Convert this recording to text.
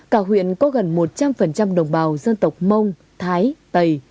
cả huyện có gần một trăm linh đồng bào dân tộc mông thái tày